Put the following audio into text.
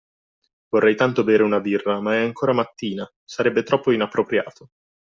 Vorrei tanto bere una birra, ma è ancora mattina, sarebbe troppo inappropriato.